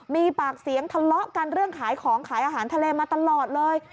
มีปากเสียงทะเลาะกันเรื่องขายของขายอาหารทะเลมาตลอดเลย